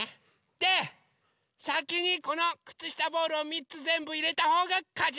でさきにこのくつしたボールを３つぜんぶいれたほうがかち！